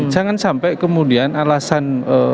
jangan sampai kemudian alasan